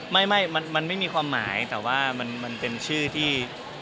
ไม่มันไม่มีความหมายแต่ว่ามันเป็นชื่อที่